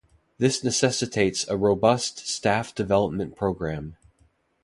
This necessitates a robust staff development programme.